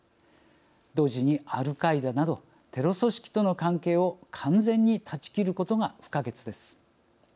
同時にアルカイダなどテロ組織との関係を完全に断ち切ることが不可欠です。